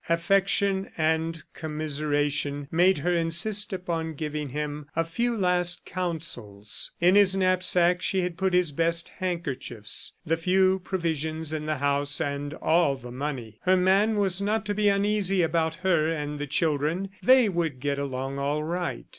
Affection and commiseration made her insist upon giving him a few last counsels. In his knapsack she had put his best handkerchiefs, the few provisions in the house and all the money. Her man was not to be uneasy about her and the children; they would get along all right.